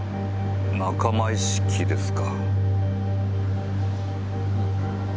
仲間意識ですか。